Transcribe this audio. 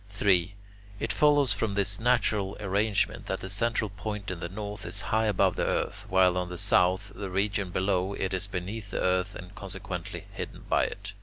3. It follows from this natural arrangement that the central point in the north is high above the earth, while on the south, the region below, it is beneath the earth and consequently hidden by it.